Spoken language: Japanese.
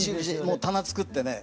もう棚作ってね